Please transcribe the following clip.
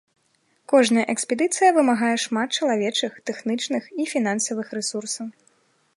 Кожная экспедыцыя вымагае шмат чалавечых, тэхнічных і фінансавых рэсурсаў.